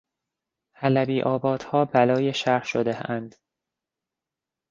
حلبیآبادها بلای شهر شدهاند.